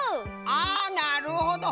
あなるほど！